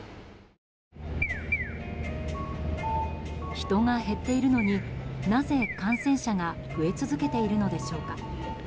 人が減っているのになぜ感染者が増え続けているのでしょうか。